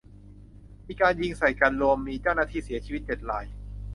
มีการยิงใส่กัน รวมมีเจ้าหน้าที่เสียชีวิตเจ็ดราย